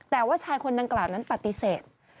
แต่ว่าชายคนดังกล่าวนั้นปฏิเสธ